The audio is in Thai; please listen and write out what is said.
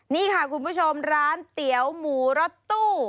นี่ค่ะคุณผู้ชมร้านเตี๋ยวหมูรถตู้